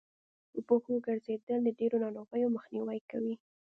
په پښو ګرځېدل د ډېرو ناروغيو مخنیوی کوي